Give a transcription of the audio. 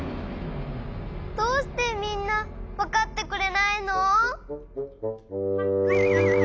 どうしてみんなわかってくれないの！？